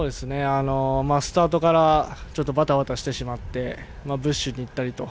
スタートからバタバタしてしまってブッシュにいったりと。